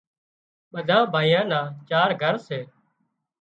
ٻڌائي ڀائيان نا چار گھر سي